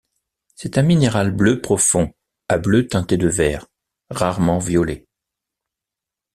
C'est un minéral bleu profond à bleu teinté de vert, rarement violet.